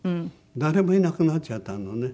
誰もいなくなっちゃったのね。